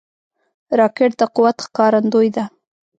راکټ د قوت ښکارندوی ده